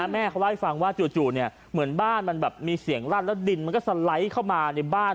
แม่เขาเลยฟังว่าจุดเนี่ยเมื่อบ้านมีเสียงรัดแล้วดินสะไหลเข้ามาในบ้าน